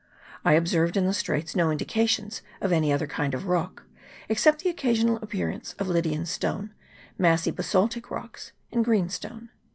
I ob served in the Straits no indications of any other kind of rock, except the occasional appearance of Lydian stone, massy basaltic rocks, and greenstone.